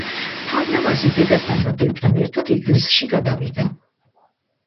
ფარნავაზი დედასთან და დებთან ერთად ეგრისში გადავიდა.